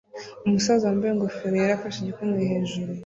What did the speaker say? Umusaza wambaye ingofero yera afashe igikumwe hejuru